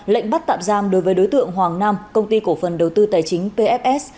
lệnh bắt tạm giam đối với đối tượng hoàng nam công ty cổ phần đầu tư tài chính pfs